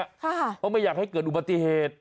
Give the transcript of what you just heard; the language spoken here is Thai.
เพราะไม่อยากให้เกิดอุบัติเหตุ